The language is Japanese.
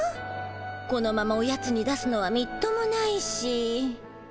このままおやつに出すのはみっともないしそうだ！